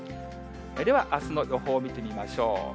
ではあすの予報見てみましょう。